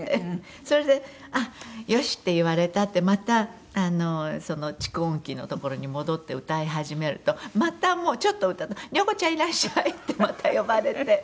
それであっ「よし」って言われたってまたその蓄音機の所に戻って歌い始めるとまたちょっと歌ったら「良子ちゃんいらっしゃい！」ってまた呼ばれて。